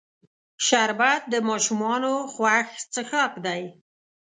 شربت د ماشومانو خوښ څښاک دی